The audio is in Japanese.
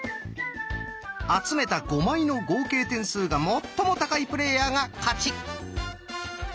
集めた５枚の合計点数が最も高いプレーヤーが勝ち。